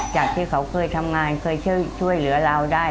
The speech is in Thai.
จากที่เขาเคยทำงานเคยช่วยเหลือเราได้